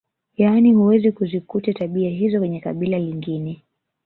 Yaani huwezi kuzikuta tabia hizo kwenye kabila lingine